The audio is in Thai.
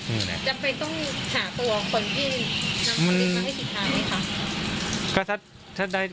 จำเป็นต้องหาตัวคนที่นำความผิดมาให้สุดท้ายไหมคะ